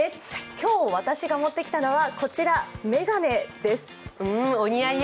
今日、私が持ってきたのは眼鏡です。